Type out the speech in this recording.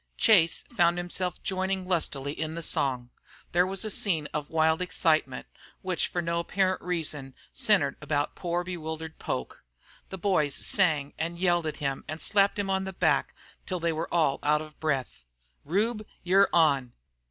Chase found himself joining lustily in the song. There was a scene of wild excitement, which for no apparent reason centred about poor bewildered Poke. The boys sang and yelled at him and slapped him on the back till they were all out of breath. "Rube, you're on."